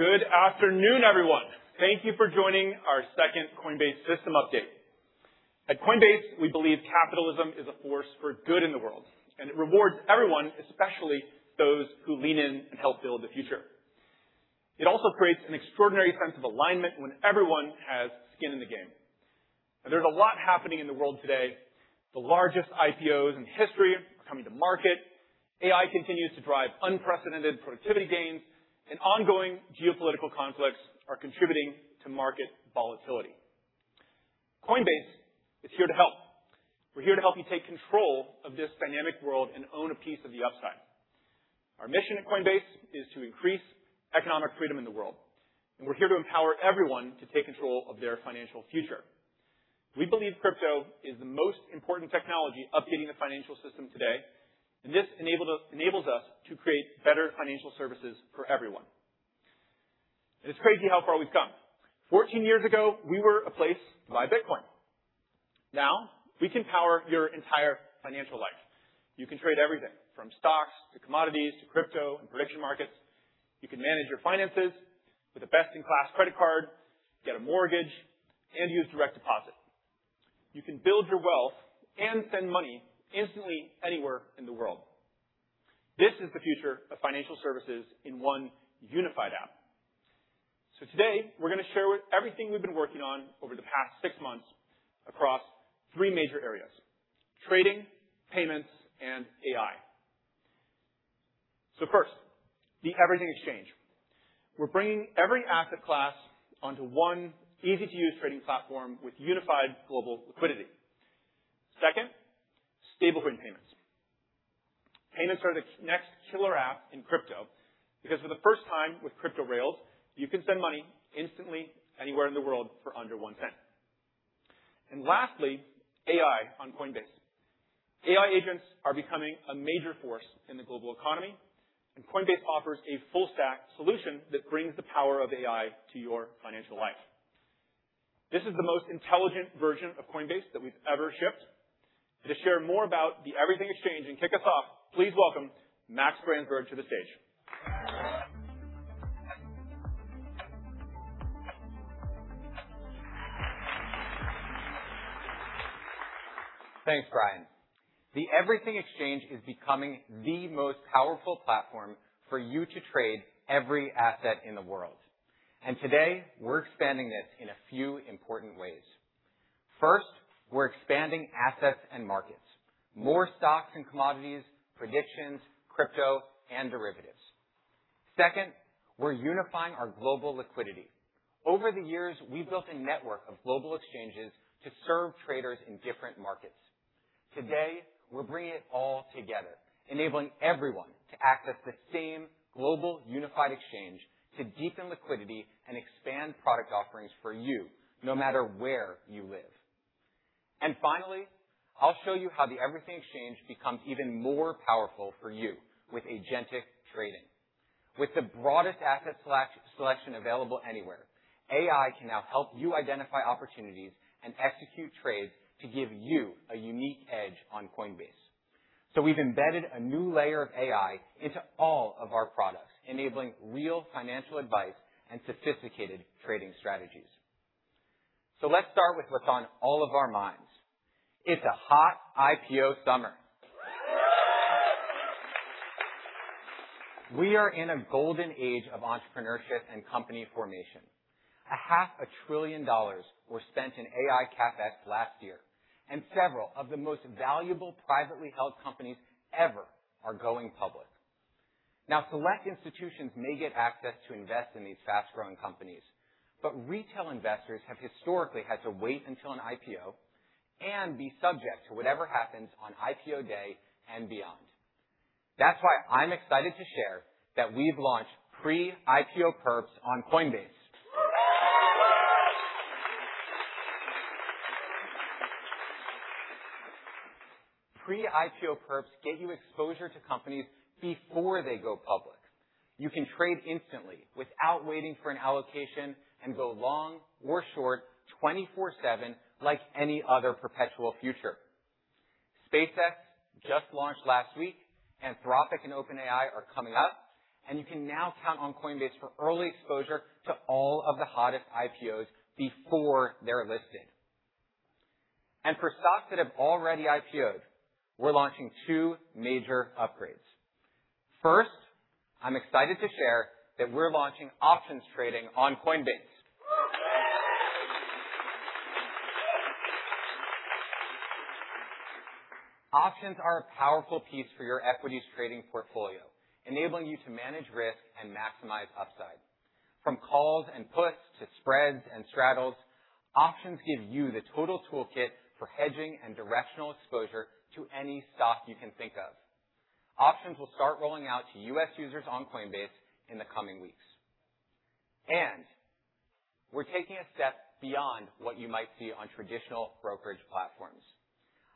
Good afternoon, everyone. Thank you for joining our second Coinbase System update. At Coinbase, we believe capitalism is a force for good in the world. It rewards everyone, especially those who lean in and help build the future. It also creates an extraordinary sense of alignment when everyone has skin in the game. There's a lot happening in the world today. The largest IPOs in history are coming to market. AI continues to drive unprecedented productivity gains, and ongoing geopolitical conflicts are contributing to market volatility. Coinbase is here to help. We're here to help you take control of this dynamic world and own a piece of the upside. Our mission at Coinbase is to increase economic freedom in the world. We're here to empower everyone to take control of their financial future. We believe crypto is the most important technology updating the financial system today. This enables us to create better financial services for everyone. It's crazy how far we've come. 14 years ago, we were a place to buy Bitcoin. Now we can power your entire financial life. You can trade everything from stocks to commodities to crypto and prediction markets. You can manage your finances with a best-in-class credit card, get a mortgage, and use direct deposit. You can build your wealth and send money instantly anywhere in the world. This is the future of financial services in one unified app. Today we're going to share with you everything we've been working on over the past six months across three major areas: trading, payments, and AI. First, the Everything Exchange. We're bringing every asset class onto one easy-to-use trading platform with unified global liquidity. Second, stablecoin payments. Payments are the next killer app in crypto because for the first time with crypto rails, you can send money instantly anywhere in the world for under $0.10. Lastly, AI on Coinbase. AI agents are becoming a major force in the global economy, and Coinbase offers a full stack solution that brings the power of AI to your financial life. This is the most intelligent version of Coinbase that we've ever shipped. To share more about the Everything Exchange and kick us off, please welcome Max Branzburg to the stage. Thanks, Brian. The Everything Exchange is becoming the most powerful platform for you to trade every asset in the world. Today, we're expanding this in a few important ways. First, we're expanding assets and markets. More stocks and commodities, predictions, crypto, and derivatives. Second, we're unifying our global liquidity. Over the years, we've built a network of global exchanges to serve traders in different markets. Today, we're bringing it all together, enabling everyone to access the same global unified exchange to deepen liquidity and expand product offerings for you, no matter where you live. Finally, I'll show you how the Everything Exchange becomes even more powerful for you with agentic trading. With the broadest asset selection available anywhere, AI can now help you identify opportunities and execute trades to give you a unique edge on Coinbase. We've embedded a new layer of AI into all of our products, enabling real financial advice and sophisticated trading strategies. Let's start with what's on all of our minds. It's a hot IPO summer. We are in a golden age of entrepreneurship and company formation. A half a trillion dollars were spent in AI CapEx last year, and several of the most valuable privately held companies ever are going public. Select institutions may get access to invest in these fast-growing companies, but retail investors have historically had to wait until an IPO and be subject to whatever happens on IPO day and beyond. I'm excited to share that we've launched pre-IPO perps on Coinbase. Pre-IPO perps give you exposure to companies before they go public. You can trade instantly without waiting for an allocation, go long or short 24 seven like any other perpetual future. SpaceX just launched last week, Anthropic and OpenAI are coming up, you can now count on Coinbase for early exposure to all of the hottest IPOs before they're listed. For stocks that have already IPO'd, we're launching two major upgrades. First, I'm excited to share that we're launching options trading on Coinbase. Options are a powerful piece for your equities trading portfolio, enabling you to manage risk and maximize upside. From calls and puts to spreads and straddles, options give you the total toolkit for hedging and directional exposure to any stock you can think of. Options will start rolling out to U.S. users on Coinbase in the coming weeks. We're taking a step beyond what you might see on traditional brokerage platforms.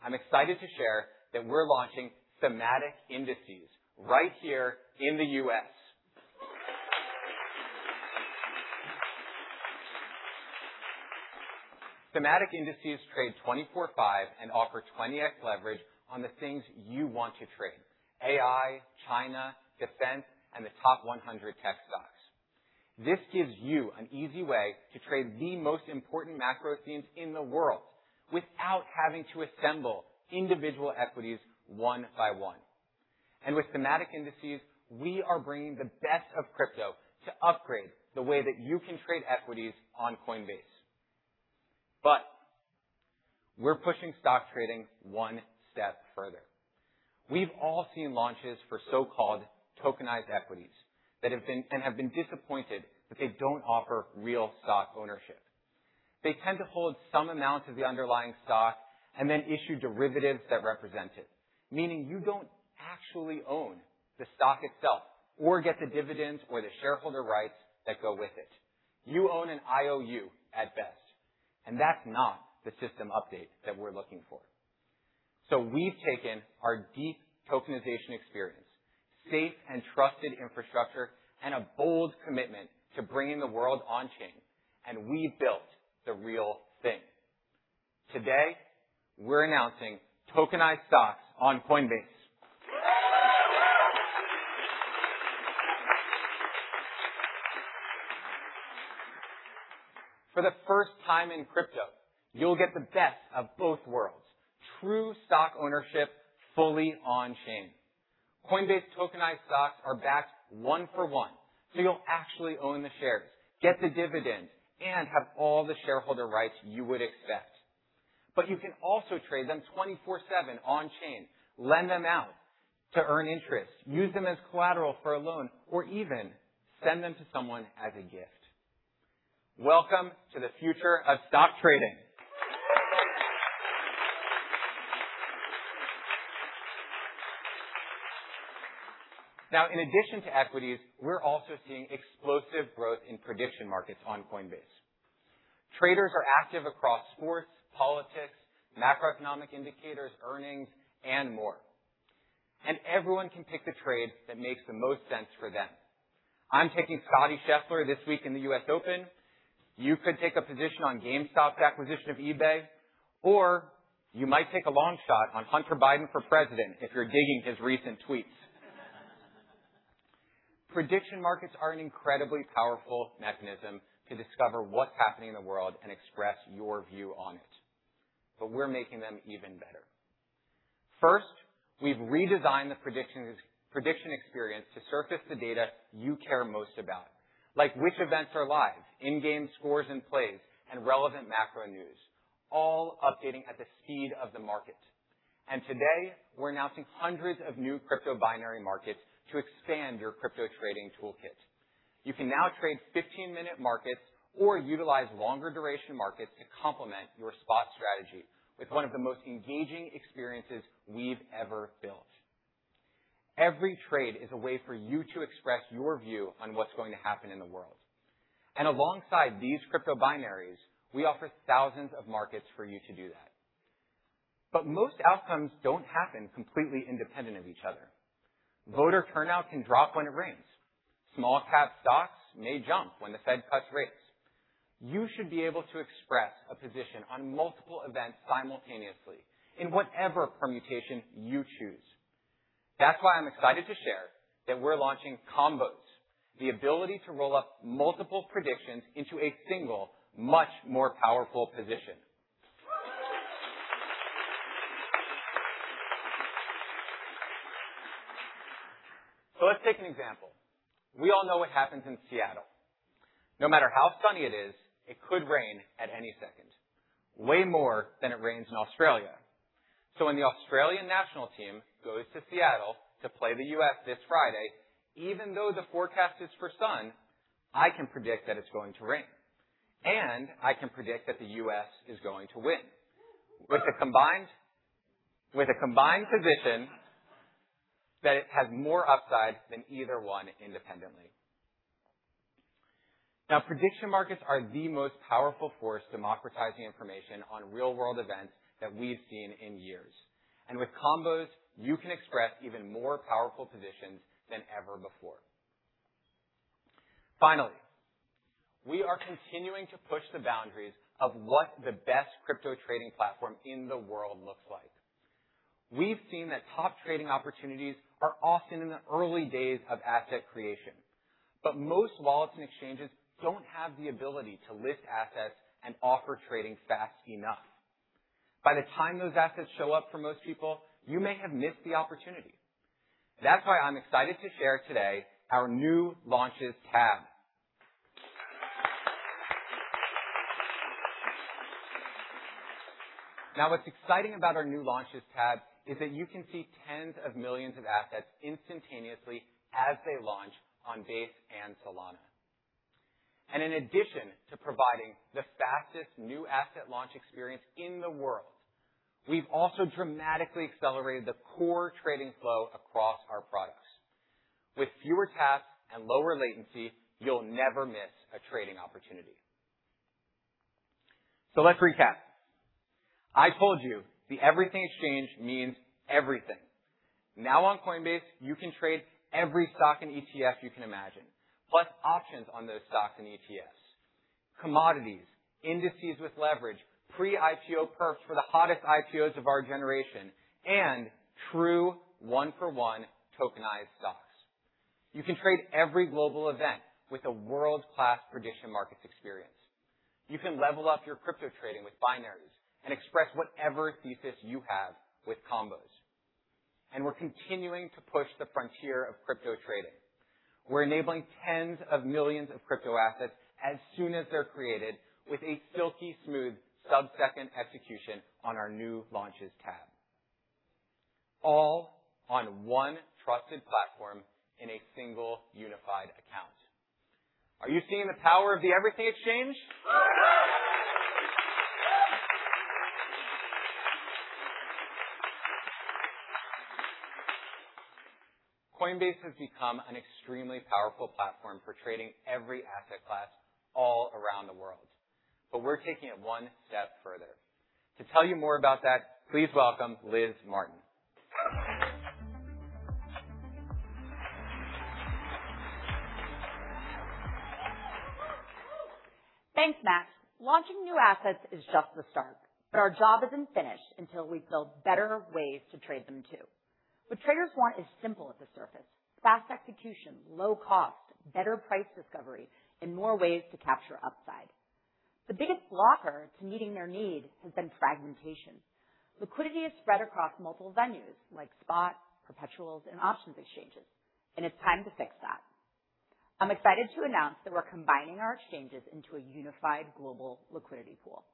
I'm excited to share that we're launching thematic indices right here in the U.S. Thematic indices trade 24 five and offer 20x leverage on the things you want to trade, AI, China, defense, and the top 100 tech stocks. This gives you an easy way to trade the most important macro themes in the world without having to assemble individual equities one by one. With thematic indices, we are bringing the best of crypto to upgrade the way that you can trade equities on Coinbase. We're pushing stock trading one step further. We've all seen launches for so-called tokenized stocks and have been disappointed that they don't offer real stock ownership. They tend to hold some amount of the underlying stock and then issue derivatives that represent it, meaning you don't actually own the stock itself or get the dividends or the shareholder rights that go with it. You own an IOU at best, that's not the system update that we're looking for. We've taken our deep tokenization experience, safe and trusted infrastructure, and a bold commitment to bringing the world on-chain, rebuilt the real thing. Today, we're announcing tokenized stocks on Coinbase. For the first time in crypto, you'll get the best of both worlds, true stock ownership, fully on-chain. Coinbase tokenized stocks are backed one-for-one, so you'll actually own the shares, get the dividends, and have all the shareholder rights you would expect. You can also trade them 24/7 on-chain, lend them out to earn interest, use them as collateral for a loan, or even send them to someone as a gift. Welcome to the future of stock trading. In addition to equities, we're also seeing explosive growth in prediction markets on Coinbase. Traders are active across sports, politics, macroeconomic indicators, earnings, and more. Everyone can pick the trade that makes the most sense for them. I'm picking Scottie Scheffler this week in the US Open. You could take a position on GameStop's acquisition of eBay, or you might take a long shot on Hunter Biden for president if you're digging his recent tweets. Prediction markets are an incredibly powerful mechanism to discover what's happening in the world and express your view on it, we're making them even better. First, we've redesigned the prediction experience to surface the data you care most about, like which events are live, in-game scores and plays, and relevant macro news, all updating at the speed of the market. Today, we're announcing hundreds of new crypto binary markets to expand your crypto trading toolkit. You can now trade 15-minute markets or utilize longer duration markets to complement your spot strategy with one of the most engaging experiences we've ever built. Every trade is a way for you to express your view on what's going to happen in the world. Alongside these crypto binaries, we offer thousands of markets for you to do that. Most outcomes don't happen completely independent of each other. Voter turnout can drop when it rains. Small-cap stocks may jump when the Fed cuts rates. You should be able to express a position on multiple events simultaneously in whatever permutation you choose. That's why I'm excited to share that we're launching Combos, the ability to roll up multiple predictions into a single, much more powerful position. Let's take an example. We all know what happens in Seattle. No matter how sunny it is, it could rain at any second, way more than it rains in Australia. When the Australian national team goes to Seattle to play the U.S. this Friday, even though the forecast is for sun, I can predict that it's going to rain, and I can predict that the U.S. is going to win. With a combined position that it has more upside than either one independently. Prediction markets are the most powerful force democratizing information on real-world events that we've seen in years. With Combos, you can express even more powerful positions than ever before. Finally, we are continuing to push the boundaries of what the best crypto trading platform in the world looks like. We've seen that top trading opportunities are often in the early days of asset creation, most wallets and exchanges don't have the ability to list assets and offer trading fast enough. By the time those assets show up for most people, you may have missed the opportunity. That's why I'm excited to share today our new Launches tab. What's exciting about our new Launches tab is that you can see tens of millions of assets instantaneously as they launch on Base and Solana. In addition to providing the fastest new asset launch experience in the world, we've also dramatically accelerated the core trading flow across our products. With fewer taps and lower latency, you'll never miss a trading opportunity. Let's recap. I told you the Everything Exchange means everything. Now on Coinbase, you can trade every stock and ETF you can imagine, plus options on those stocks and ETFs, commodities, indices with leverage, pre-IPO perks for the hottest IPOs of our generation, and true one-for-one tokenized stocks. You can trade every global event with a world-class traditional markets experience. You can level up your crypto trading with binaries and express whatever thesis you have with Combos. We're continuing to push the frontier of crypto trading. We're enabling tens of millions of crypto assets as soon as they're created with a silky smooth sub-second execution on our new Launches tab, all on one trusted platform in a single unified account. Are you seeing the power of the Everything Exchange? Coinbase has become an extremely powerful platform for trading every asset class all around the world. We're taking it one step further. To tell you more about that, please welcome Liz Martin. Thanks, Max. Launching new assets is just the start. Our job isn't finished until we've built better ways to trade them too. What traders want is simple at the surface, fast execution, low cost, better price discovery, and more ways to capture upside. The biggest blocker to meeting their needs has been fragmentation. Liquidity is spread across multiple venues like spot, perpetuals, and options exchanges. It's time to fix that. I'm excited to announce that we're combining our exchanges into a unified global liquidity pool.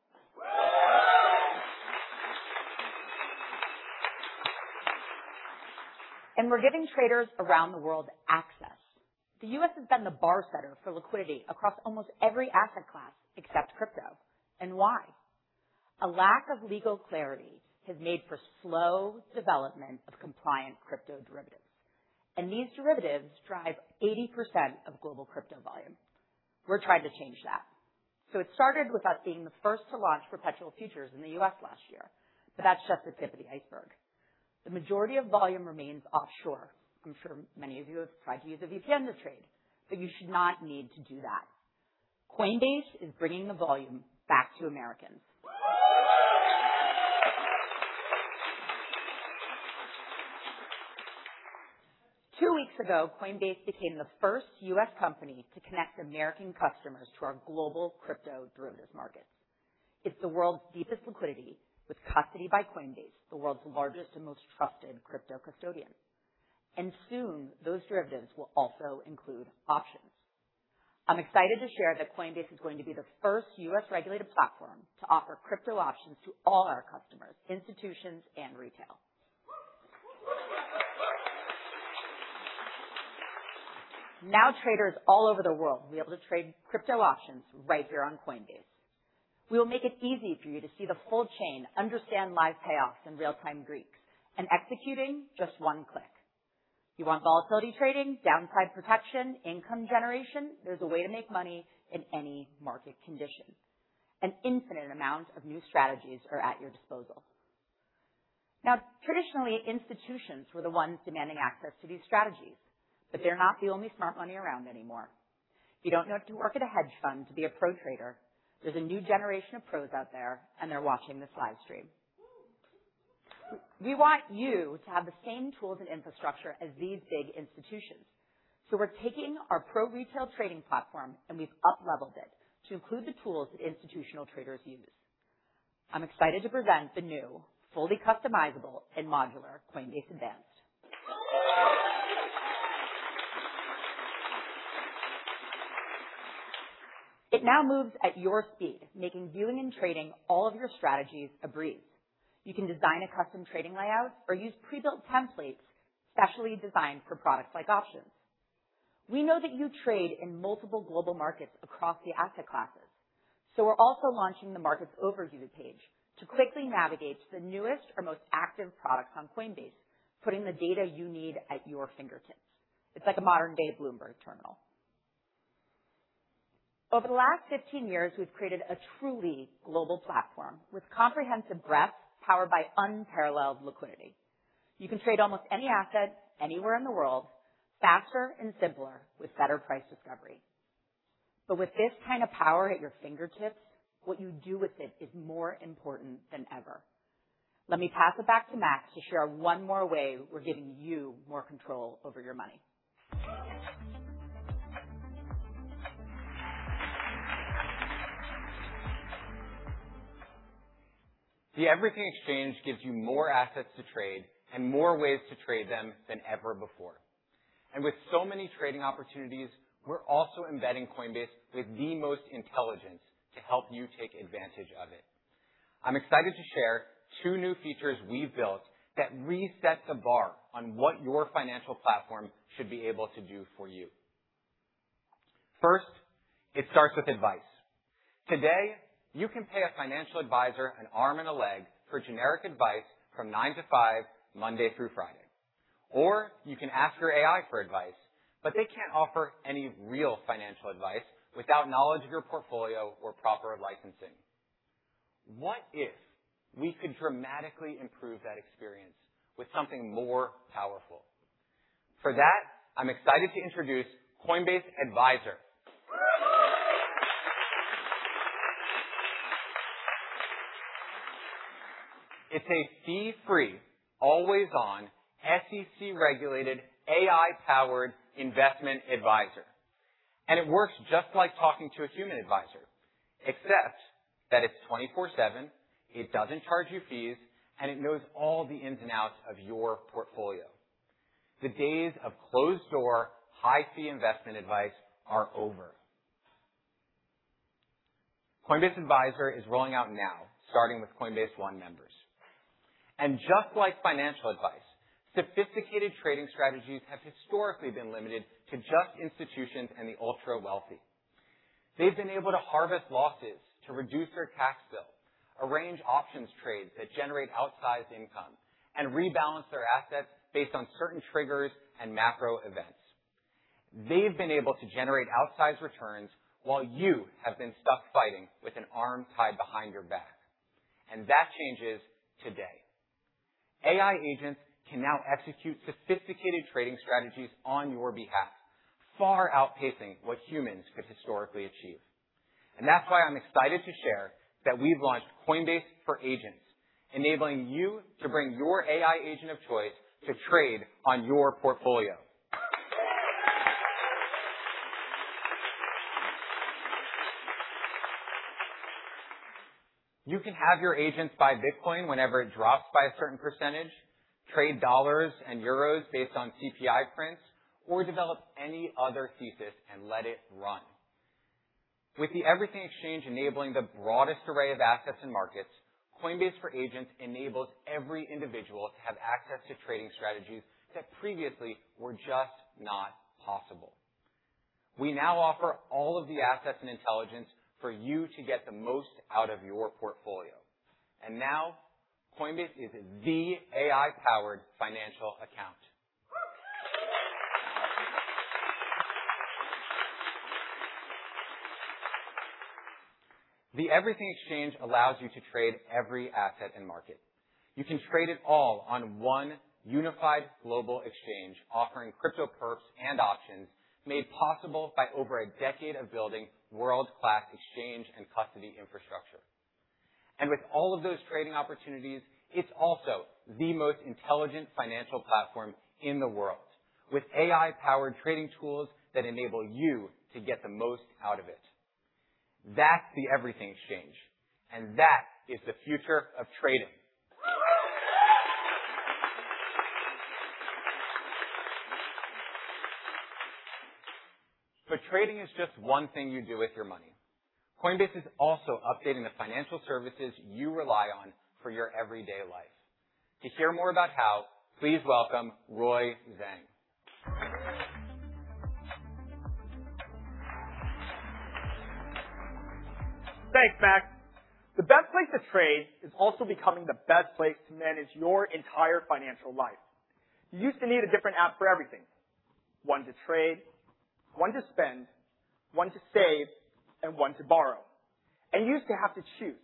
We're giving traders around the world access. The U.S. has been the bar setter for liquidity across almost every asset class except crypto. Why? A lack of legal clarity has made for slow development of compliant crypto derivatives, and these derivatives drive 80% of global crypto volume. We're trying to change that. It started with us being the first to launch perpetual futures in the U.S. last year. That's just the tip of the iceberg. The majority of volume remains offshore. I'm sure many of you have tried to use a VPN to trade. You should not need to do that. Coinbase is bringing the volume back to Americans. Two weeks ago, Coinbase became the first U.S. company to connect American customers to our global crypto derivatives markets. It's the world's deepest liquidity with custody by Coinbase, the world's largest and most trusted crypto custodian. Soon, those derivatives will also include options. I'm excited to share that Coinbase is going to be the first U.S.-regulated platform to offer crypto options to all our customers, institutions, and retail. Traders all over the world will be able to trade crypto options right here on Coinbase. We will make it easy for you to see the full chain, understand live payoffs and real-time Greeks, and executing just one click. You want volatility trading, downside protection, income generation? There's a way to make money in any market condition. An infinite amount of new strategies are at your disposal. Traditionally, institutions were the ones demanding access to these strategies, but they're not the only smart money around anymore. You don't have to work at a hedge fund to be a pro trader. There's a new generation of pros out there, and they're watching this live stream. We want you to have the same tools and infrastructure as these big institutions. We're taking our pro retail trading platform, and we've upleveled it to include the tools that institutional traders use. I'm excited to present the new fully customizable and modular Coinbase Advanced. It now moves at your speed, making viewing and trading all of your strategies a breeze. You can design a custom trading layout or use pre-built templates specially designed for products like Options. We know that you trade in multiple global markets across the asset classes, we're also launching the Markets Overview page to quickly navigate to the newest or most active products on Coinbase, putting the data you need at your fingertips. It's like a modern-day Bloomberg terminal. Over the last 15 years, we've created a truly global platform with comprehensive breadth, powered by unparalleled liquidity. You can trade almost any asset anywhere in the world faster and simpler with better price discovery. With this kind of power at your fingertips, what you do with it is more important than ever. Let me pass it back to Max to share one more way we're giving you more control over your money. The Everything Exchange gives you more assets to trade and more ways to trade them than ever before. With so many trading opportunities, we're also embedding Coinbase with the most intelligence to help you take advantage of it. I'm excited to share two new features we've built that reset the bar on what your financial platform should be able to do for you. First, it starts with advice. Today, you can pay a financial advisor an arm and a leg for generic advice from nine - five, Monday through Friday. You can ask your AI for advice, but they can't offer any real financial advice without knowledge of your portfolio or proper licensing. What if we could dramatically improve that experience with something more powerful? For that, I'm excited to introduce Coinbase Advisor. It's a fee-free, always-on, SEC-regulated, AI-powered investment advisor. It works just like talking to a human advisor, except that it's 24 seven, it doesn't charge you fees, and it knows all the ins and outs of your portfolio. The days of closed-door, high-fee investment advice are over. Coinbase Advisor is rolling out now, starting with Coinbase One members. Just like financial advice, sophisticated trading strategies have historically been limited to just institutions and the ultra-wealthy. They've been able to harvest losses to reduce their tax bill, arrange options trades that generate outsized income, and rebalance their assets based on certain triggers and macro events. They've been able to generate outsized returns while you have been stuck fighting with an arm tied behind your back. That changes today. AI agents can now execute sophisticated trading strategies on your behalf, far outpacing what humans could historically achieve. That's why I'm excited to share that we've launched Coinbase for Agents, enabling you to bring your AI agent of choice to trade on your portfolio. You can have your agents buy Bitcoin whenever it drops by a certain percentage, trade dollars and euros based on CPI prints, or develop any other thesis and let it run. With the Everything Exchange enabling the broadest array of assets and markets, Coinbase for Agents enables every individual to have access to trading strategies that previously were just not possible. We now offer all of the assets and intelligence for you to get the most out of your portfolio. Now, Coinbase is the AI-powered financial account. The Everything Exchange allows you to trade every asset and market. You can trade it all on one unified global exchange offering crypto perps and options made possible by over a decade of building world-class exchange and custody infrastructure. With all of those trading opportunities, it's also the most intelligent financial platform in the world, with AI-powered trading tools that enable you to get the most out of it. That's the Everything Exchange, and that is the future of trading. Trading is just one thing you do with your money. Coinbase is also updating the financial services you rely on for your everyday life. To hear more about how, please welcome Roy Zhang. Thanks, Max. The best place to trade is also becoming the best place to manage your entire financial life. You used to need a different app for everything, one to trade, one to spend, one to save, and one to borrow. You used to have to choose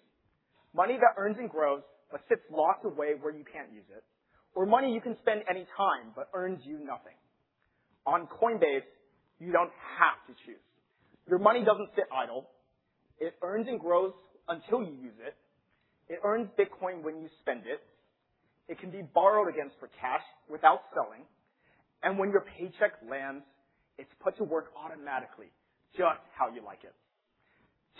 money that earns and grows, but sits locked away where you can't use it, or money you can spend any time but earns you nothing. On Coinbase, you don't have to choose. Your money doesn't sit idle. It earns and grows until you use it. It earns Bitcoin when you spend it. It can be borrowed against for cash without selling. When your paycheck lands, it's put to work automatically, just how you like it.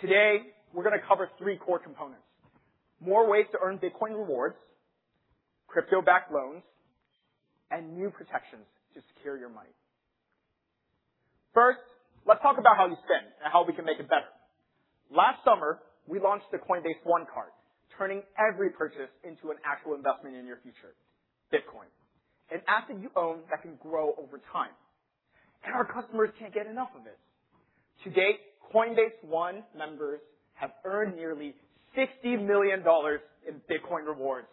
Today, we're going to cover three core components, more ways to earn Bitcoin rewards, crypto-backed loans, and new protections to secure your money. First, let's talk about how you spend and how we can make it better. Last summer, we launched the Coinbase One card, turning every purchase into an actual investment in your future, Bitcoin, an asset you own that can grow over time. Our customers can't get enough of it. To date, Coinbase One members have earned nearly $60 million in Bitcoin rewards.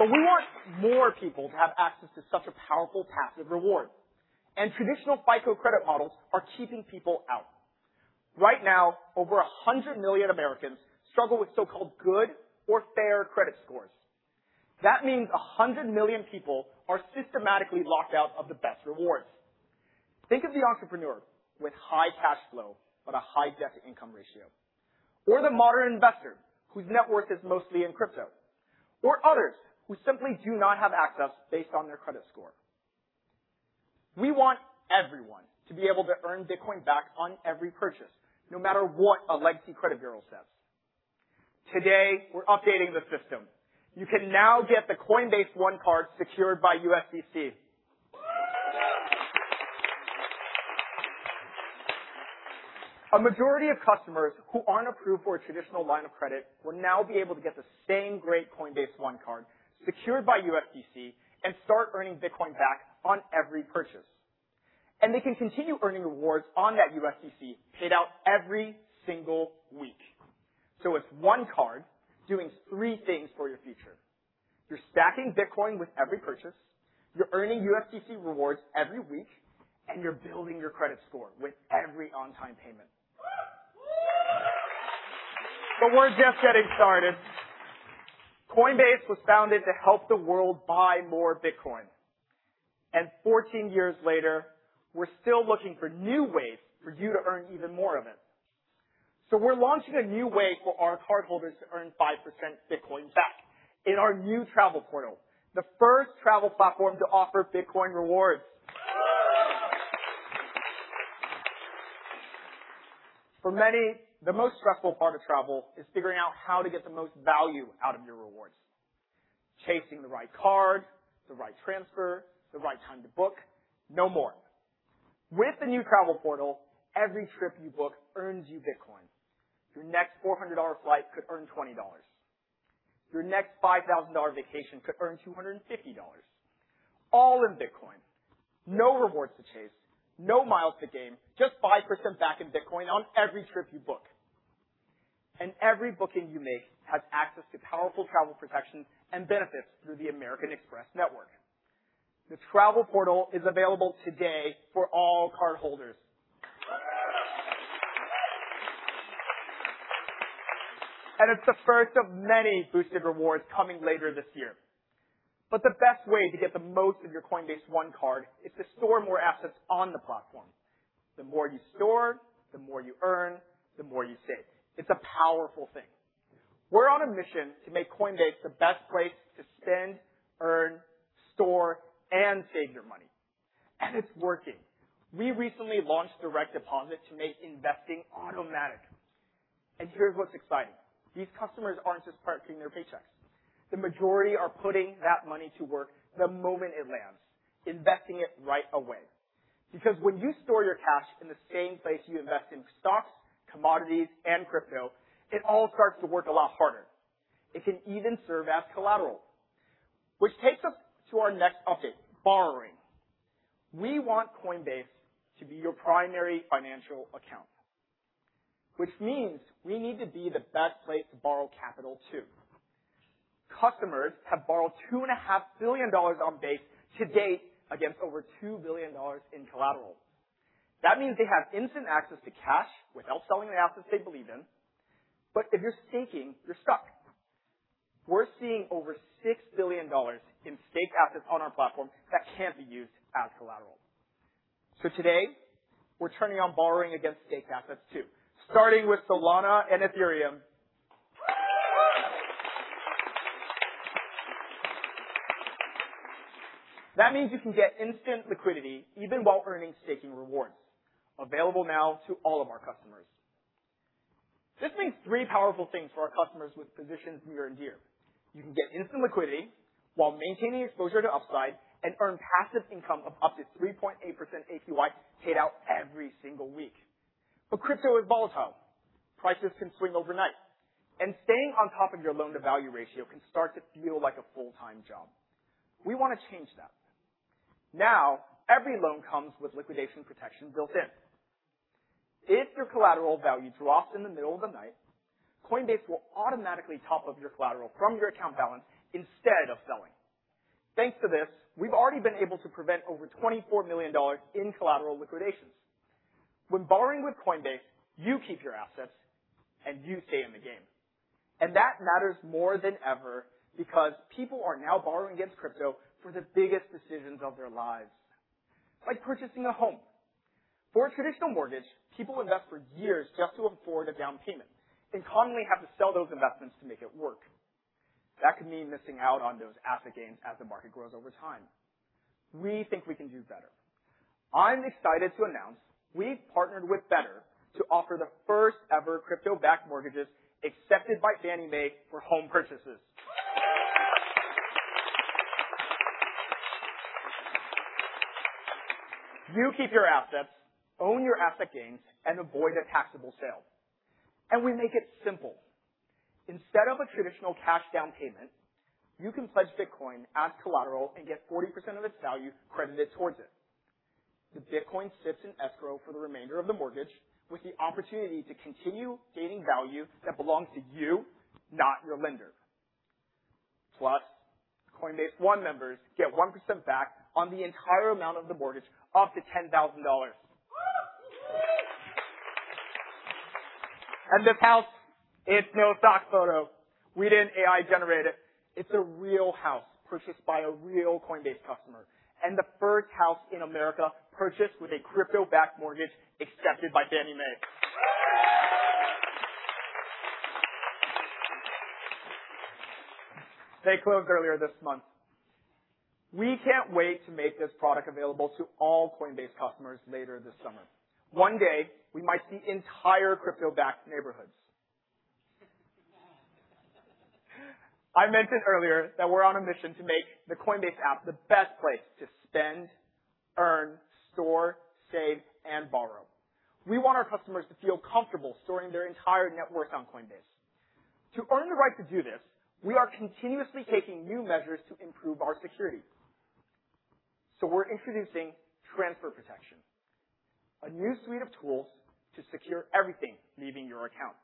We want more people to have access to such a powerful passive reward, and traditional FICO credit models are keeping people out. Right now, over 100 million Americans struggle with so-called good or fair credit scores. That means 100 million people are systematically locked out of the best rewards. Think of the entrepreneur with high cash flow but a high debt-to-income ratio, or the modern investor whose net worth is mostly in crypto, or others who simply do not have access based on their credit score. We want everyone to be able to earn Bitcoin back on every purchase, no matter what a legacy credit bureau says. Today, we're updating the system. You can now get the Coinbase One card secured by USDC. A majority of customers who aren't approved for a traditional line of credit will now be able to get the same great Coinbase One card secured by USDC and start earning Bitcoin back on every purchase. They can continue earning rewards on that USDC, paid out every single week. It's one card doing three things for your future. You're stacking Bitcoin with every purchase, you're earning USDC rewards every week, and you're building your credit score with every on-time payment. We're just getting started. Coinbase was founded to help the world buy more Bitcoin, and 14 years later, we're still looking for new ways for you to earn even more of it. We're launching a new way for our cardholders to earn five percent Bitcoin back in our new travel portal, the first travel platform to offer Bitcoin rewards. For many, the most stressful part of travel is figuring out how to get the most value out of your rewards. Chasing the right card, the right transfer, the right time to book. No more. With the new travel portal, every trip you book earns you Bitcoin. Your next $400 flight could earn $20. Your next $5,000 vacation could earn $250. All in Bitcoin. No rewards to chase, no miles to gain, just five percent back in Bitcoin on every trip you book. Every booking you make has access to powerful travel protection and benefits through the American Express network. This travel portal is available today for all cardholders. It's the first of many boosted rewards coming later this year. The best way to get the most of your Coinbase One card is to store more assets on the platform. The more you store, the more you earn, the more you save. It's a powerful thing. We're on a mission to make Coinbase the best place to spend, earn, store, and save your money. It's working. We recently launched direct deposit to make investing automatic. Here's what's exciting. These customers aren't just parking their paychecks. The majority are putting that money to work the moment it lands, investing it right away. When you store your cash in the same place you invest in stocks, commodities, and crypto, it all starts to work a lot harder. It can even serve as collateral. This takes us to our next update, borrowing. We want Coinbase to be your primary financial account, which means we need to be the best place to borrow capital, too. Customers have borrowed $2.5 billion on Base to date against over $2 billion in collateral. This means they have instant access to cash without selling the assets they believe in. If you're staking, you're stuck. We're seeing over $6 billion in staked assets on our platform that can't be used as collateral. Today, we're turning on borrowing against staked assets too, starting with Solana and Ethereum. This means you can get instant liquidity even while earning staking rewards, available now to all of our customers. This means three powerful things for our customers with positions near and dear. You can get instant liquidity while maintaining exposure to upside and earn passive income of up to 3.8% APY paid out every single week. Crypto is volatile. Prices can swing overnight, and staying on top of your loan-to-value ratio can start to feel like a full-time job. We want to change that. Every loan comes with liquidation protection built in. If your collateral value drops in the middle of the night, Coinbase will automatically top up your collateral from your account balance instead of selling. Thanks to this, we've already been able to prevent over $24 million in collateral liquidations. Borrowing with Coinbase, you keep your assets and you stay in the game. That matters more than ever because people are now borrowing against crypto for the biggest decisions of their lives, like purchasing a home. For a traditional mortgage, people invest for years just to afford a down payment and commonly have to sell those investments to make it work. That could mean missing out on those asset gains as the market grows over time. We think we can do better. I'm excited to announce we've partnered with Better to offer the first ever crypto-backed mortgages accepted by Fannie Mae for home purchases. You keep your assets, own your asset gains, and avoid a taxable sale. We make it simple. Instead of a traditional cash down payment, you can pledge Bitcoin as collateral and get 40% of its value credited towards it. The Bitcoin sits in escrow for the remainder of the mortgage with the opportunity to continue gaining value that belongs to you, not your lender. Plus, Coinbase One members get one percent back on the entire amount of the mortgage, up to $10,000. This house, it's no stock photo. We didn't AI-generate it. It's a real house purchased by a real Coinbase customer and the first house in America purchased with a crypto-backed mortgage accepted by Fannie Mae. They closed earlier this month. We can't wait to make this product available to all Coinbase customers later this summer. One day, we might see entire crypto-backed neighborhoods. I mentioned earlier that we're on a mission to make the Coinbase app the best place to spend, earn, store, save, and borrow. We want our customers to feel comfortable storing their entire net worth on Coinbase. To earn the right to do this, we are continuously taking new measures to improve our security. We're introducing transfer protection, a new suite of tools to secure everything leaving your account.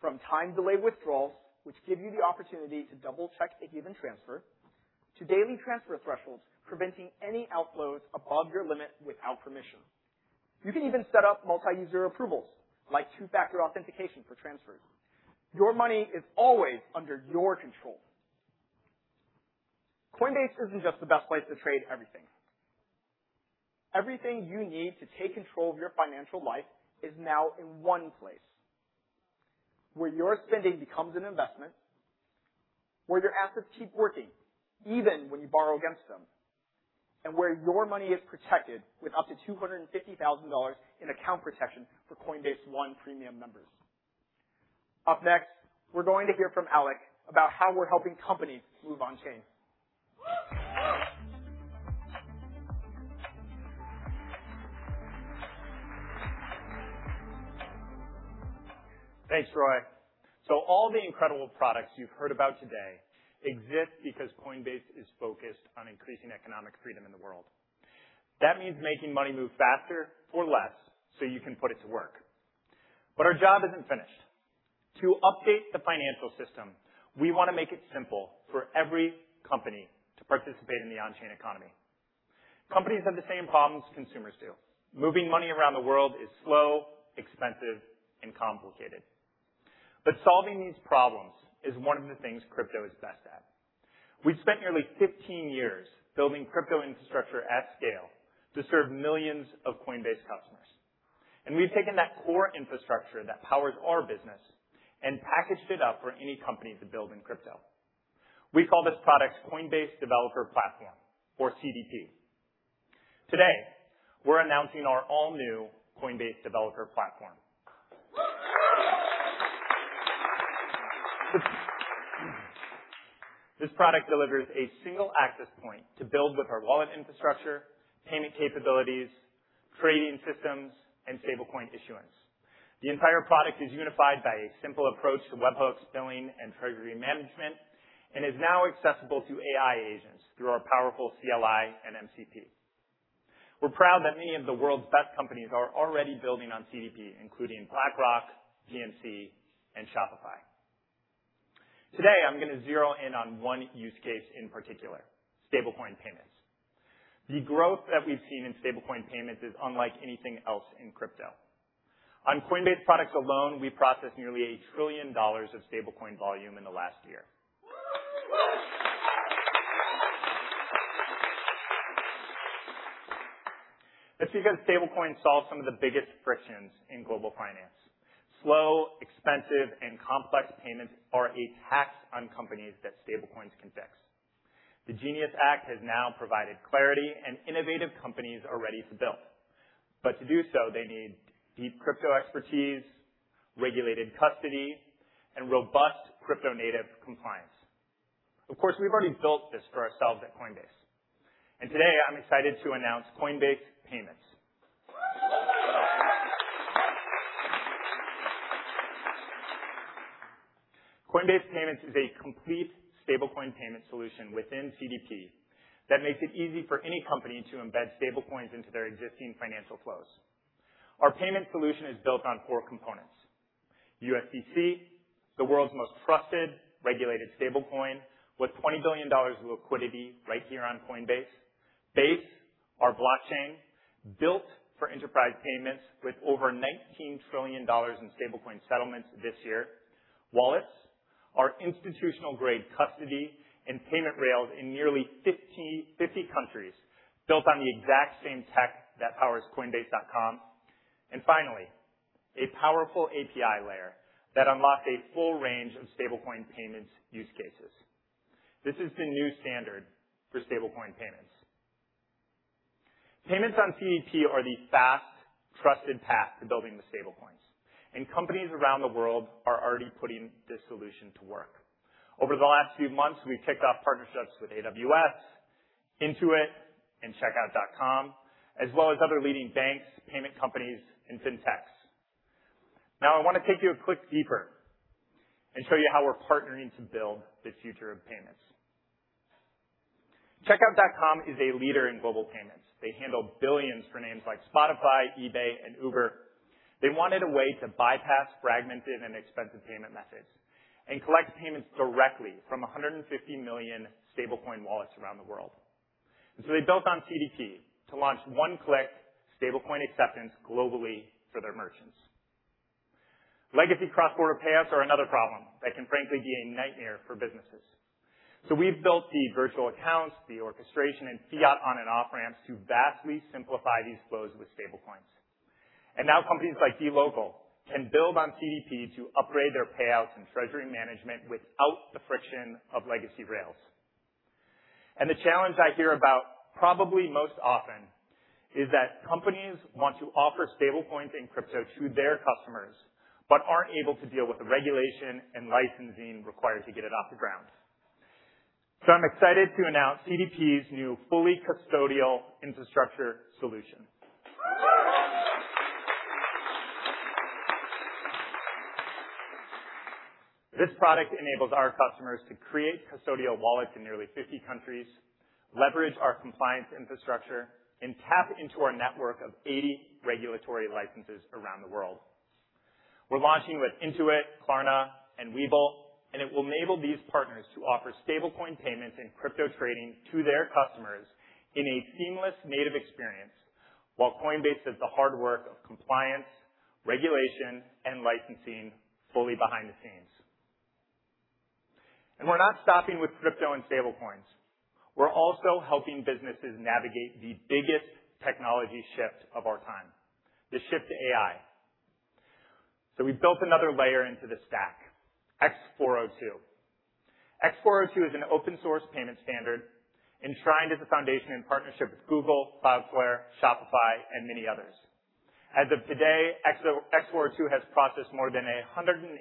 From time delay withdrawals, which give you the opportunity to double-check a given transfer, to daily transfer thresholds, preventing any outflows above your limit without permission. You can even set up multi-user approvals, like two-factor authentication for transfers. Your money is always under your control. Coinbase isn't just the best place to trade everything. Everything you need to take control of your financial life is now in one place, where your spending becomes an investment, where your assets keep working even when you borrow against them, and where your money is protected with up to $250,000 in account protection for Coinbase One premium members. Up next, we're going to hear from Alec about how we're helping companies move on-chain. Thanks, Roy. All the incredible products you've heard about today exist because Coinbase is focused on increasing economic freedom in the world. That means making money move faster for less, so you can put it to work. Our job isn't finished. To update the financial system, we want to make it simple for every company to participate in the on-chain economy. Companies have the same problems consumers do. Moving money around the world is slow, expensive, and complicated. Solving these problems is one of the things crypto is best at. We've spent nearly 15 years building crypto infrastructure at scale to serve millions of Coinbase customers, and we've taken that core infrastructure that powers our business and packaged it up for any company to build in crypto. We call this product Coinbase Developer Platform or CDP. Today, we're announcing our all-new Coinbase Developer Platform. This product delivers a single access point to build with our wallet infrastructure, payment capabilities, trading systems, and stablecoin issuance. The entire product is unified by a simple approach to webhooks, billing, and treasury management, and is now accessible to AI agents through our powerful CLI and MCP. We're proud that many of the world's best companies are already building on CDP, including BlackRock, GNC, and Shopify. Today, I'm going to zero in on one use case in particular, stablecoin payments. The growth that we've seen in stablecoin payments is unlike anything else in crypto. On Coinbase products alone, we processed nearly $1 trillion of stablecoin volume in the last year. That's because stablecoins solve some of the biggest frictions in global finance. Slow, expensive, and complex payments are a tax on companies that stablecoins can fix. The GENIUS Act has now provided clarity, innovative companies are ready to build. To do so, they need deep crypto expertise, regulated custody, and robust crypto-native compliance. Of course, we've already built this for ourselves at Coinbase, today I'm excited to announce Coinbase Payments. Coinbase Payments is a complete stablecoin payment solution within CDP that makes it easy for any company to embed stablecoins into their existing financial flows. Our payment solution is built on four components. USDC, the world's most trusted, regulated stablecoin with $20 billion of liquidity right here on Coinbase. Base, our blockchain built for enterprise payments with over $19 trillion in stablecoin settlements this year. Wallets, our institutional-grade custody and payment rails in nearly 50 countries, built on the exact same tech that powers coinbase.com. Finally, a powerful API layer that unlocks a full range of stablecoin payments use cases. This is the new standard for stablecoin payments. Payments on CDP are the fast, trusted path to building with stablecoins, companies around the world are already putting this solution to work. Over the last few months, we've kicked off partnerships with AWS, Intuit, and Checkout.com, as well as other leading banks, payment companies, and fintechs. I want to take you a click deeper and show you how we're partnering to build the future of payments. Checkout.com is a leader in global payments. They handle billions for names like Spotify, eBay, and Uber. They wanted a way to bypass fragmented and expensive payment methods and collect payments directly from 150 million stablecoin wallets around the world. They built on CDP to launch one-click stablecoin acceptance globally for their merchants. Legacy cross-border payouts are another problem that can frankly be a nightmare for businesses. We've built the virtual accounts, the orchestration, and fiat on and off-ramps to vastly simplify these flows with stablecoins. Companies like dLocal can build on CDP to upgrade their payouts and treasury management without the friction of legacy rails. The challenge I hear about probably most often is that companies want to offer stablecoins and crypto to their customers, but aren't able to deal with the regulation and licensing required to get it off the ground. I'm excited to announce CDP's new fully custodial infrastructure solution. This product enables our customers to create custodial wallets in nearly 50 countries, leverage our compliance infrastructure, and tap into our network of 80 regulatory licenses around the world. We're launching with Intuit, Klarna, and Webull, it will enable these partners to offer stablecoin payments and crypto trading to their customers in a seamless native experience, while Coinbase does the hard work of compliance, regulation, and licensing fully behind the scenes. We're not stopping with crypto and stablecoins. We're also helping businesses navigate the biggest technology shift of our time, the shift to AI. We've built another layer into the stack, x402. x402 is an open-source payment standard enshrined as a foundation in partnership with Google, Cloudflare, Shopify, and many others. As of today, x402 has processed more than 185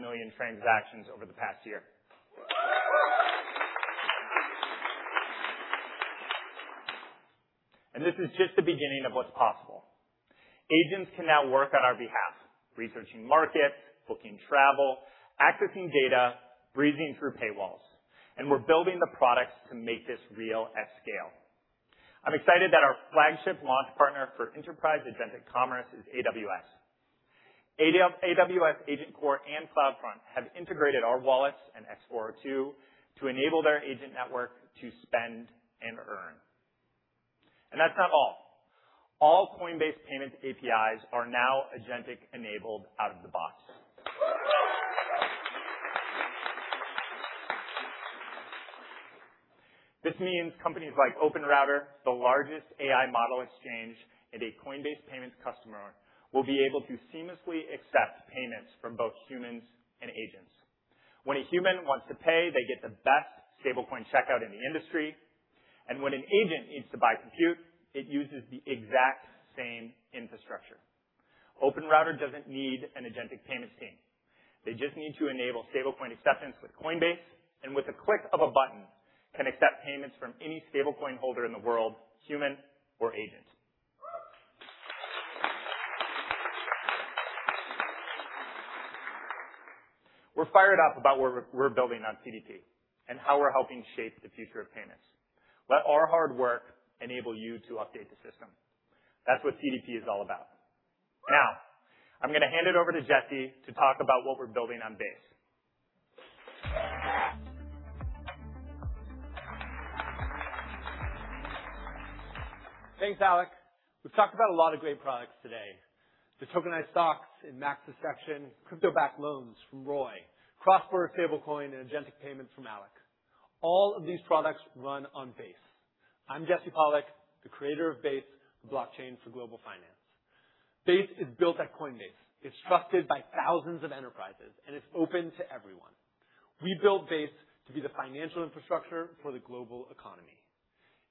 million transactions over the past year. This is just the beginning of what's possible. Agents can now work on our behalf, researching markets, booking travel, accessing data, breezing through paywalls, we're building the products to make this real at scale. I'm excited that our flagship launch partner for enterprise agentic commerce is AWS. AWS Agent Core and CloudFront have integrated our wallets and x402 to enable their agent network to spend and earn. That's not all. All Coinbase Payments APIs are now agentic-enabled out of the box. This means companies like OpenRouter, the largest AI model exchange, and a Coinbase Payments customer, will be able to seamlessly accept payments from both humans and agents. When a human wants to pay, they get the best stablecoin checkout in the industry, and when an agent needs to buy compute, it uses the exact same infrastructure. OpenRouter doesn't need an agentic payments team. They just need to enable stablecoin acceptance with Coinbase, and with a click of a button, can accept payments from any stablecoin holder in the world, human or agent. We're fired up about what we're building on CDP and how we're helping shape the future of payments. Let our hard work enable you to update the system. That's what CDP is all about. I'm going to hand it over to Jesse to talk about what we're building on Base. Thanks, Alec. We've talked about a lot of great products today. The tokenized stocks in Max's section, crypto-backed loans from Roy, cross-border stablecoin, and agentic payments from Alec. All of these products run on Base. I'm Jesse Pollak, the creator of Base, the blockchain for global finance. Base is built at Coinbase. It's trusted by thousands of enterprises, and it's open to everyone. We built Base to be the financial infrastructure for the global economy.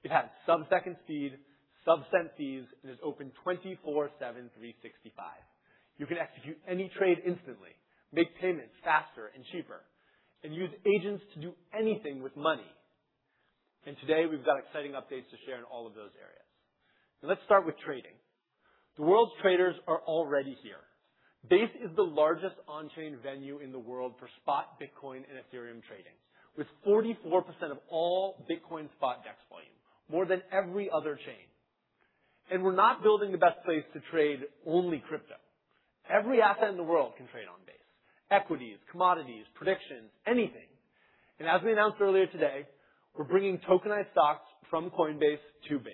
It has sub-second speed, sub-cent fees, and is open 24/7, 365. You can execute any trade instantly, make payments faster and cheaper, and use agents to do anything with money. Today, we've got exciting updates to share in all of those areas. Let's start with trading. The world's traders are already here. Base is the largest on-chain venue in the world for spot Bitcoin and Ethereum trading, with 44% of all Bitcoin spot DEX volume, more than every other chain. We're not building the best place to trade only crypto. Every asset in the world can trade on Base. Equities, commodities, predictions, anything. As we announced earlier today, we're bringing tokenized stocks from Coinbase to Base.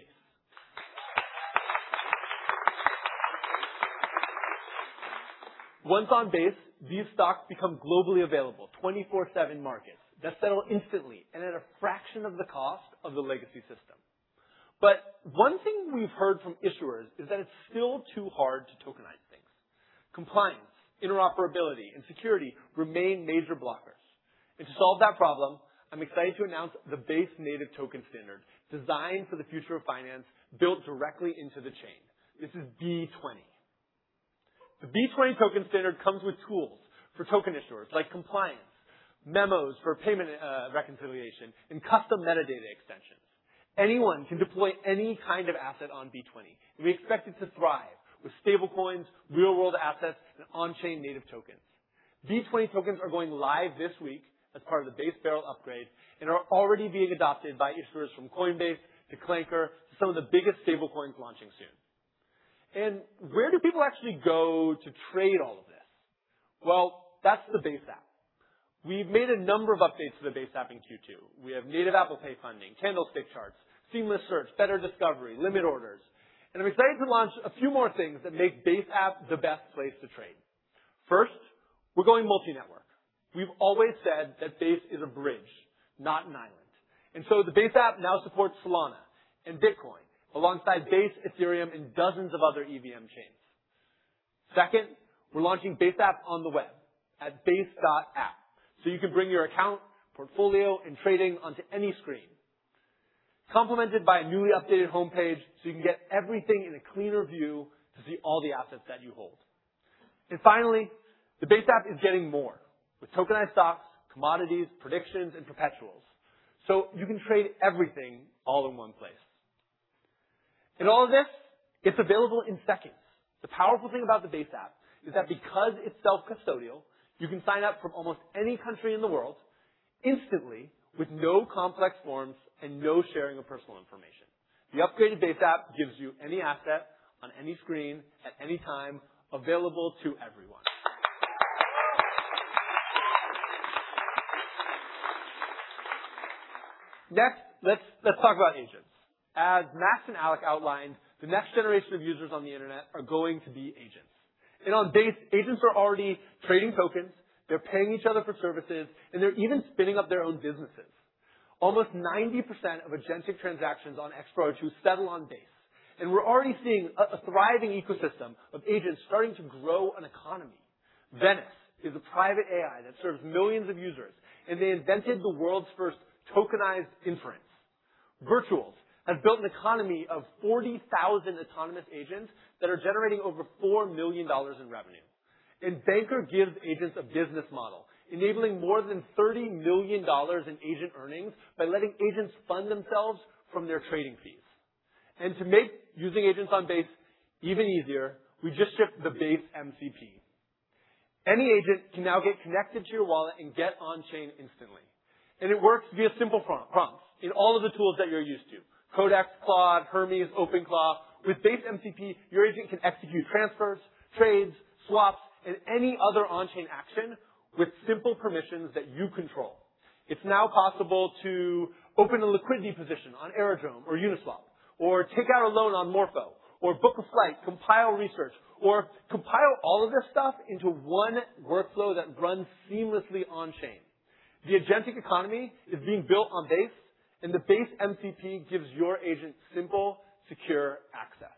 Once on Base, these stocks become globally available, 24/7 markets that settle instantly and at a fraction of the cost of the legacy system. One thing we've heard from issuers is that it's still too hard to tokenize things. Compliance, interoperability, and security remain major blockers. To solve that problem, I'm excited to announce the Base native token standard, designed for the future of finance, built directly into the chain. This is B20. The B20 token standard comes with tools for token issuers like compliance, memos for payment reconciliation, and custom metadata extensions. Anyone can deploy any kind of asset on B20, and we expect it to thrive with stablecoins, real-world assets, and on-chain native tokens. B20 tokens are going live this week as part of the Base Beryl upgrade and are already being adopted by issuers from Coinbase to Klarna to some of the biggest stablecoins launching soon. Where do people actually go to trade all of this? Well, that's the Base App. We've made a number of updates to the Base App in Q2. We have native Apple Pay funding, candlestick charts, seamless search, better discovery, limit orders, and I'm excited to launch a few more things that make Base App the best place to trade. First, we're going multi-network. We've always said that Base is a bridge, not an island, so the Base App now supports Solana and Bitcoin alongside Base, Ethereum, and dozens of other EVM chains. Second, we're launching Base App on the web at base.app so you can bring your account, portfolio, and trading onto any screen. Complemented by a newly updated homepage, so you can get everything in a cleaner view to see all the assets that you hold. Finally, the Base App is getting more, with tokenized stocks, commodities, predictions, and perpetuals. You can trade everything all in one place. All of this, it's available in seconds. The powerful thing about the Base App is that because it's self-custodial, you can sign up from almost any country in the world instantly, with no complex forms and no sharing of personal information. The upgraded Base App gives you any asset on any screen at any time, available to everyone. Next, let's talk about agents. As Max and Alec outlined, the next generation of users on the internet are going to be agents. On Base, agents are already trading tokens, they're paying each other for services, and they're even spinning up their own businesses. Almost 90% of agentic transactions on Explore two settle on Base, and we're already seeing a thriving ecosystem of agents starting to grow an economy. Venice AI is a private AI that serves millions of users, and they invented the world's first tokenized inference. Virtuals Protocol have built an economy of 40,000 autonomous agents that are generating over $4 million in revenue. Bankr gives agents a business model, enabling more than $30 million in agent earnings by letting agents fund themselves from their trading fees. To make using agents on Base even easier, we just shipped the Base MCP. Any agent can now get connected to your wallet and get on-chain instantly. It works via simple prompts in all of the tools that you're used to, Codex, Claude, Hermes, OpenClaw. With Base MCP, your agent can execute transfers, trades, swaps, and any other on-chain action with simple permissions that you control. It's now possible to open a liquidity position on Aerodrome or Uniswap, or take out a loan on Morpho, or book a flight, compile research, or compile all of this stuff into one workflow that runs seamlessly on-chain. The agentic economy is being built on Base, and the Base MCP gives your agent simple, secure access.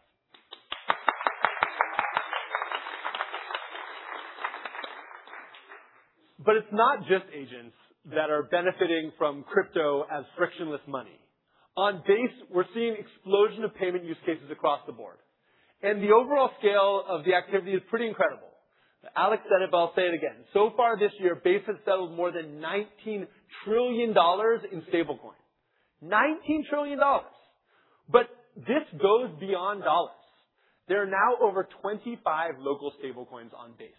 It's not just agents that are benefiting from crypto as frictionless money. On Base, we're seeing an explosion of payment use cases across the board. The overall scale of the activity is pretty incredible. Alec said it, but I'll say it again. So far this year, Base has settled more than $19 trillion in stablecoin. $19 trillion. There are now over 25 local stablecoins on Base,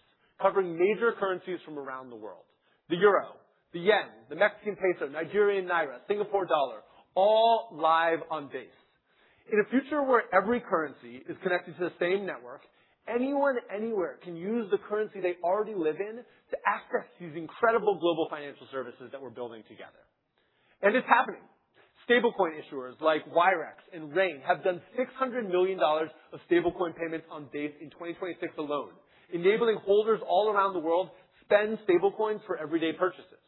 covering major currencies from around the world. The euro, the yen, the Mexican peso, Nigerian naira, Singapore dollar, all live on Base. In a future where every currency is connected to the same network, anyone, anywhere can use the currency they already live in to access these incredible global financial services that we're building together. It's happening. Stablecoin issuers like Wyre and Rain have done $600 million of stablecoin payments on Base in 2026 alone, enabling holders all around the world to spend stablecoins for everyday purchases.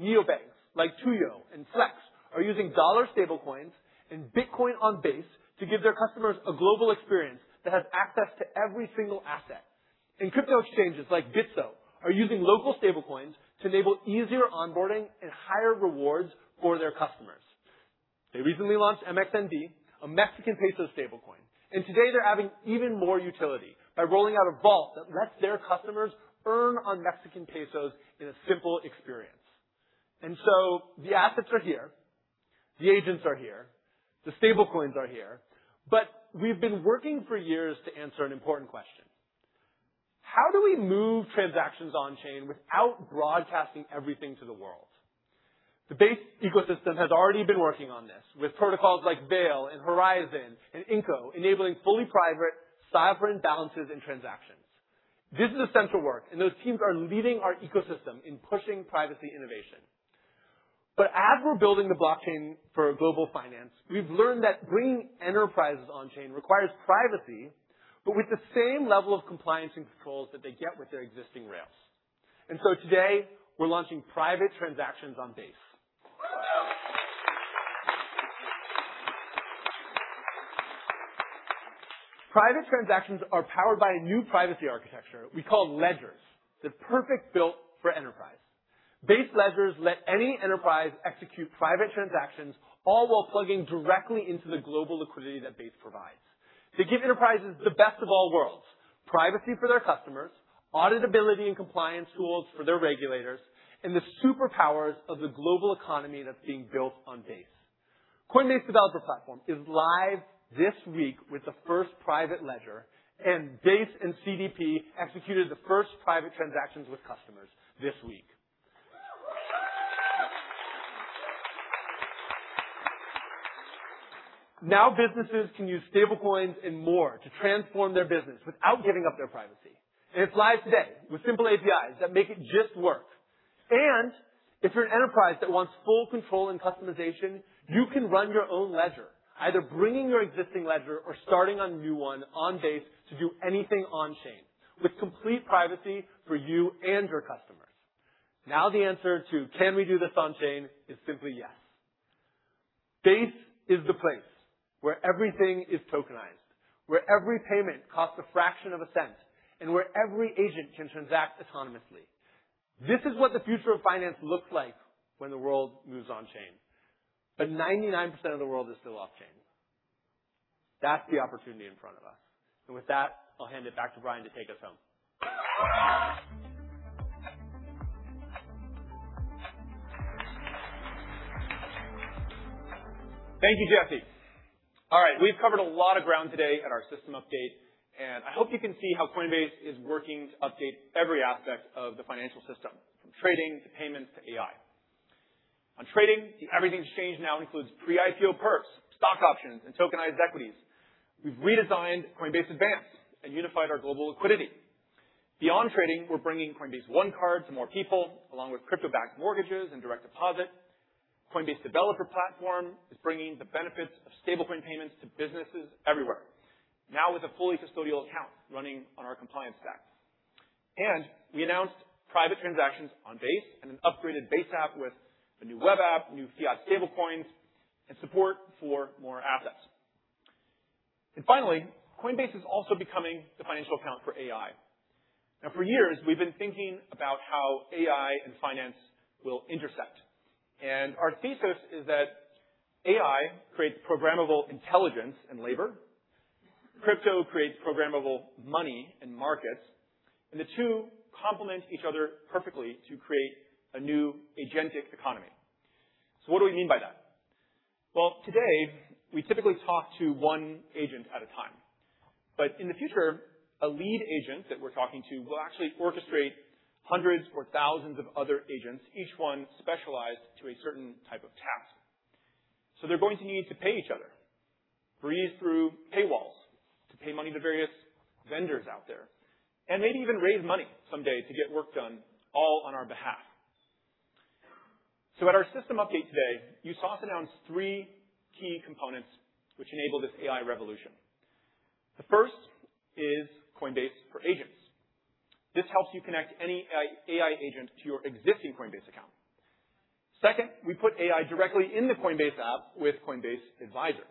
Neobanks like Tuju and Flex are using dollar stablecoins and Bitcoin on Base to give their customers a global experience that has access to every single asset. Crypto exchanges like Bitso are using local stablecoins to enable easier onboarding and higher rewards for their customers. They recently launched MXNB, a Mexican peso stablecoin, and today they're adding even more utility by rolling out a vault that lets their customers earn on Mexican pesos in a simple experience. The assets are here, the agents are here, the stablecoins are here. We've been working for years to answer an important question. How do we move transactions on-chain without broadcasting everything to the world? The Base ecosystem has already been working on this with protocols like Veil and Horizen and Inco, enabling fully private, sovereign balances and transactions. This is essential work, and those teams are leading our ecosystem in pushing privacy innovation. As we're building the blockchain for global finance, we've learned that bringing enterprises on-chain requires privacy, but with the same level of compliance and controls that they get with their existing rails. Today, we're launching private transactions on Base. Private transactions are powered by a new privacy architecture we call Base Ledgers, that's perfectly built for enterprise. Base Ledgers let any enterprise execute private transactions, all while plugging directly into the global liquidity that Base provides. They give enterprises the best of all worlds, privacy for their customers, auditability and compliance tools for their regulators, and the superpowers of the global economy that's being built on Base. Coinbase Developer Platform is live this week with the first private ledger, and Base and CDP executed the first private transactions with customers this week. Businesses can use stablecoins and more to transform their business without giving up their privacy. It's live today with simple APIs that make it just work. If you're an enterprise that wants full control and customization, you can run your own ledger, either bringing your existing ledger or starting a new one on Base to do anything on-chain, with complete privacy for you and your customers. The answer to "Can we do this on-chain?" is simply yes. Base is the place where everything is tokenized, where every payment costs a fraction of a cent, and where every agent can transact autonomously. This is what the future of finance looks like when the world moves on-chain. 99% of the world is still off-chain. That's the opportunity in front of us. With that, I'll hand it back to Brian to take us home. Thank you, Jesse. All right. We've covered a lot of ground today at our system update, and I hope you can see how Coinbase is working to update every aspect of the financial system, from trading to payments to AI. On trading, everything's changed now includes pre-IPO perpetual futures, stock options, and tokenized stocks. We've redesigned Coinbase Advanced and unified our global liquidity. Beyond trading, we're bringing Coinbase One Card to more people, along with crypto-backed mortgages and direct deposit. Coinbase Developer Platform is bringing the benefits of stablecoin payments to businesses everywhere, now with a fully custodial account running on our compliance stack. We announced private transactions on Base and an upgraded Base App with a new web app, new fiat stablecoins, and support for more assets. Finally, Coinbase is also becoming the financial account for AI. For years, we've been thinking about how AI and finance will intersect. Our thesis is that AI creates programmable intelligence and labor, crypto creates programmable money and markets, and the two complement each other perfectly to create a new agentic economy. What do we mean by that? Today, we typically talk to one agent at a time. In the future, a lead agent that we're talking to will actually orchestrate hundreds or thousands of other agents, each one specialized to a certain type of task. They're going to need to pay each other, breeze through paywalls to pay money to various vendors out there, and maybe even raise money someday to get work done all on our behalf. At our system update today, you saw us announce three key components which enable this AI revolution. The first is Coinbase for Agents. This helps you connect any AI agent to your existing Coinbase account. Second, we put AI directly in the Coinbase App with Coinbase Advisor.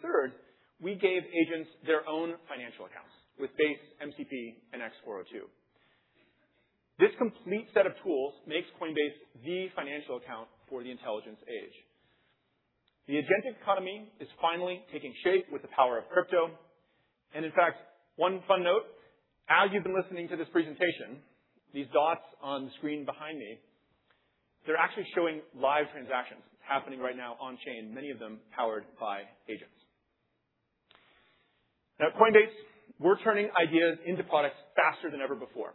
Third, we gave agents their own financial accounts with Base MCP and X402. This complete set of tools makes Coinbase the financial account for the intelligence age. The agentic economy is finally taking shape with the power of crypto. In fact, one fun note, as you've been listening to this presentation, these dots on the screen behind me, they're actually showing live transactions happening right now on-chain, many of them powered by agents. At Coinbase, we're turning ideas into products faster than ever before.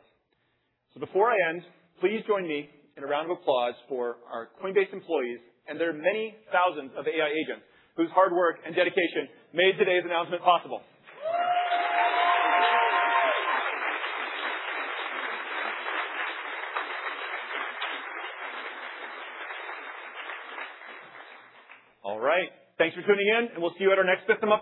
Before I end, please join me in a round of applause for our Coinbase employees and their many thousands of AI agents whose hard work and dedication made today's announcement possible. All right. Thanks for tuning in, and we'll see you at our next system update